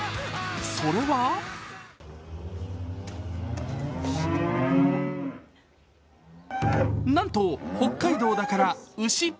それはなんと、北海道だから、牛。